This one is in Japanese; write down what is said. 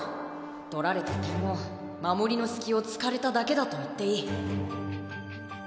取られた点も守りの隙を突かれただけだと言っていい。